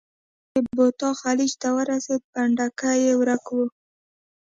کله چې بوتا خلیج ته ورسېدل، پنډکی یې ورک و.